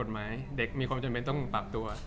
จากความไม่เข้าจันทร์ของผู้ใหญ่ของพ่อกับแม่